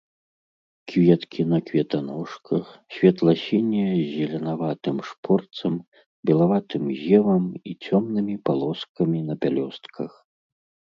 Кветкі на кветаножках, светла-сінія з зеленаватым шпорцам, белаватым зевам і цёмнымі палоскамі на пялёстках.